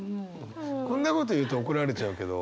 こんなこと言うと怒られちゃうけど。